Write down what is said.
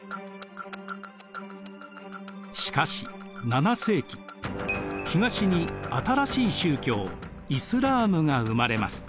しかし７世紀東に新しい宗教イスラームが生まれます。